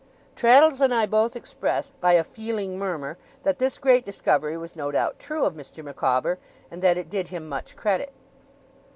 Traddles and I both expressed, by a feeling murmur, that this great discovery was no doubt true of Mr. Micawber, and that it did him much credit.